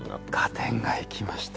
合点がいきました。